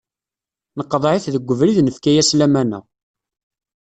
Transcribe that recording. Neqḍeɛ-it deg ubrid nefka-as lamana.